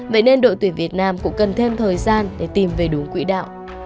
vậy nên đội tuyển việt nam cũng cần thêm thời gian để tìm về đủ quỹ đạo